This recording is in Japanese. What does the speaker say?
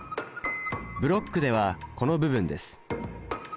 ブロックではこの部分です。